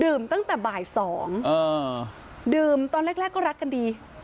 ดื่มตั้งแต่บ่ายสองอ่าดื่มตอนแรกแรกก็รักกันดี